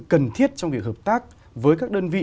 cần thiết trong việc hợp tác với các đơn vị